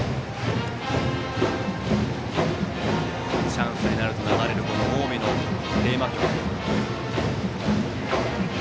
チャンスになると流れる近江のテーマ曲。